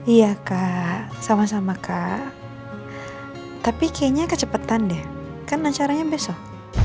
iya kak sama sama kak tapi kayaknya kecepatan deh kan acaranya besok